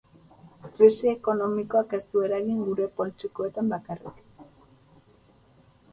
Krisi ekonomikoak ez du eragin gure poltsikoetan bakarrik.